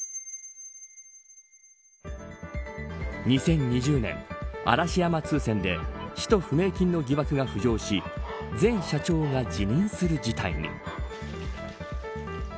２０２０年、嵐山通船で使途不明金の疑惑が浮上し前社長が辞任する事態に。